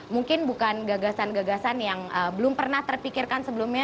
mungkin bukan gagasan gagasan yang belum pernah terpikirkan sebelumnya